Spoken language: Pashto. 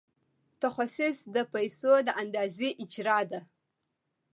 تخصیص د پیسو د اندازې اجرا ده.